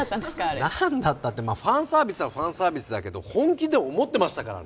あれ何だったってまあファンサービスはファンサービスだけど本気で思ってましたからね